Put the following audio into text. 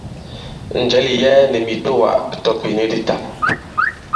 Njɛ̀ɛ ì yɛɛ nì mìtoà, tɔ̀ ìpìni di ta.